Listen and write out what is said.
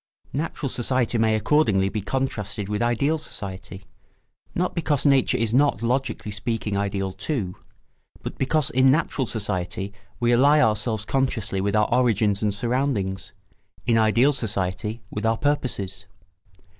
Natural society may accordingly be contrasted with ideal society, not because Nature is not, logically speaking, ideal too, but because in natural society we ally ourselves consciously with our origins and surroundings, in ideal society with our purposes.